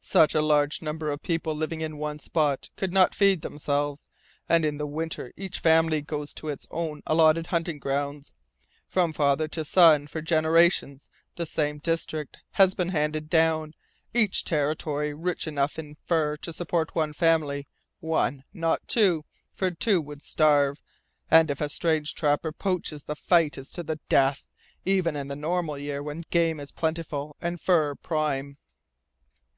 Such a large number of people living in one spot could not feed themselves, and in the winter each family goes to its own allotted hunting grounds. From father to son for generations the same district has been handed down, each territory rich enough in fur to support one family. One not two, for two would starve, and if a strange trapper poaches the fight is to the death, even in the normal year when game is plentiful and fur prime.